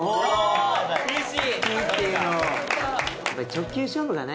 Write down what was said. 直球勝負がね